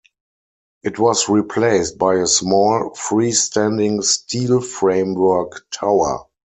It was replaced by a small freestanding steel framework tower.